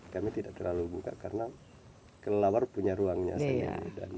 kami tidak terlalu buka karena kelelawar punya ruangnya sendiri